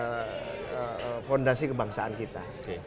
pilar pilar fondasi kebangsaan kita